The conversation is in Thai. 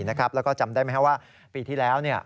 แล้วก็จำได้ไหมว่าปีที่แล้ว